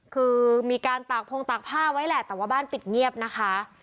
คือมีการตากพงตากผ้าไว้แหละแต่ว่าบ้านปิดเงียบนะคะ